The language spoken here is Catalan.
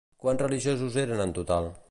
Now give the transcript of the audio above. Quants religiosos eren en total?